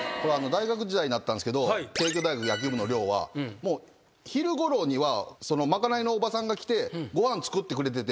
大学時代にあったんですけど帝京大学野球部の寮は昼ごろには賄いのおばさんが来てご飯作ってくれてて。